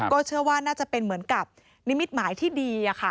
เชื่อว่าน่าจะเป็นเหมือนกับนิมิตหมายที่ดี